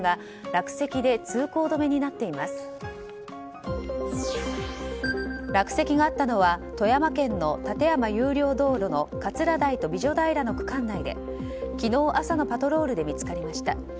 落石があったのは富山県の立山有料道路の桂台と美女平の区間内で昨日朝のパトロールで見つかりました。